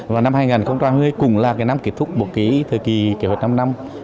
và năm hai nghìn hai mươi cũng là cái năm kết thúc một cái thời kỳ kế hoạch năm năm